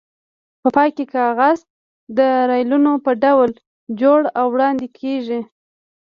په پای کې کاغذ د ریلونو په ډول جوړ او وړاندې کېږي.